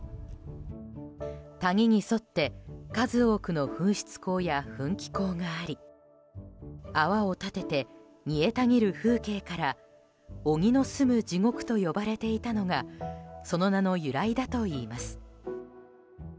谷に沿って数多くの噴出口や噴気孔があり泡を立てて煮えたぎる風景から鬼の住む地獄と呼ばれていたのがその名の由来だといいます。